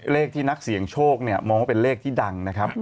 เลขที่นักเสี่ยงโชคมองเป็นเลขที่ดัง